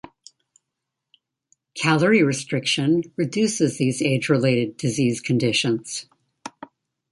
Calorie restriction reduces these age-related disease conditions.